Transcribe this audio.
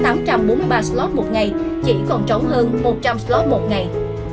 một trăm linh slot một ngày chỉ còn trống hơn một trăm linh slot một ngày